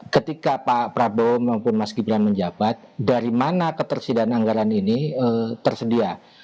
ketika pak prabowo maupun mas gibran menjabat dari mana ketersediaan anggaran ini tersedia